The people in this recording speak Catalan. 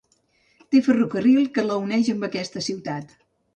Té ferrocarril que la uneix amb aquesta ciutat.